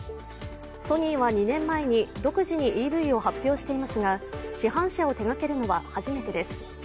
ソニーは２年前に独自にＥＶを発表していますが市販車を手がけるのは初めてです。